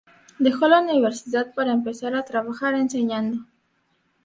Dejó la universidad para empezar a trabajar enseñando.